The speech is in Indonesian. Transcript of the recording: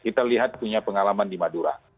kita lihat punya pengalaman di madura